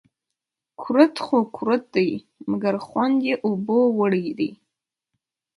کورت خو کورت دي ، مگر خوند يې اوبو وړى دى